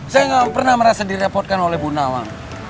saya nggak pernah merasa direpotkan oleh bu nawang